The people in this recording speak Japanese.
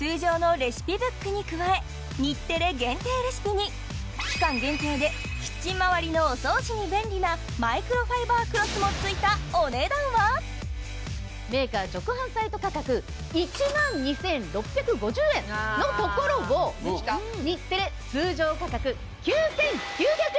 今回は期間限定でキッチン周りのお掃除に便利なマイクロファイバークロスもついたお値段は⁉メーカー直販サイト価格１万２６５０円のところを日テレ通常価格９９００円！